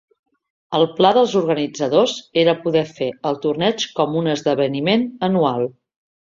El pla dels organitzadors era poder fer el torneig com un esdeveniment anual.